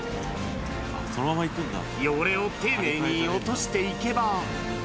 汚れを丁寧に落としていけば。